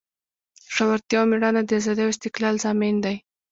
زړورتیا او میړانه د ازادۍ او استقلال ضامن دی.